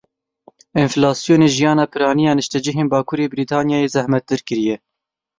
Enflasyonê jiyana piraniya niştecihên bakurê Brîtanyayê zehmettir kiriye.